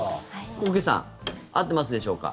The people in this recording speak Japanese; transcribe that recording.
纐纈さん合ってますでしょうか。